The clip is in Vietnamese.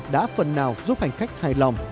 đã phần nào giúp hành khách hài lòng